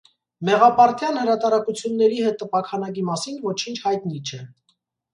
Մեղապարտյան հրատարակությունների տպաքանակի մասին ոչինչ հայտնի չէ։